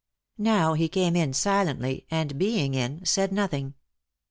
Now he came in silently, and being in said nothing.